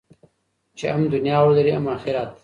چې هم دنیا ولرئ هم اخرت.